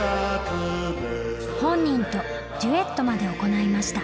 本人とデュエットまで行いました。